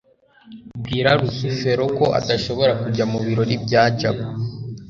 bwira rusufero ko adashobora kujya mubirori bya jabo